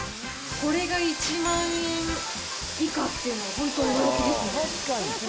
これが１万円以下っていうのは、本当に驚きですね。